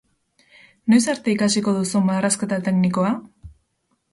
Noiz arte ikasiko duzu marrazketa teknikoa?